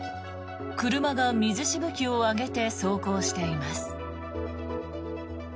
車が水しぶきを上げて走行しています。